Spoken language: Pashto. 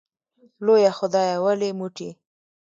لویه خدایه ولې موټی